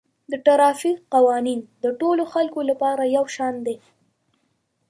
د ټرافیک قوانین د ټولو خلکو لپاره یو شان دي